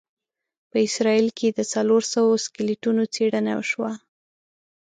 په اسرایل کې د څلوروسوو سکلیټونو څېړنه وشوه.